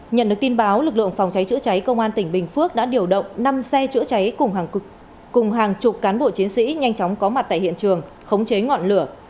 nhận được tin báo lực lượng phòng cháy chữa cháy công an tỉnh bình phước đã điều động năm xe chữa cháy cùng hàng chục cán bộ chiến sĩ nhanh chóng có mặt tại hiện trường khống chế ngọn lửa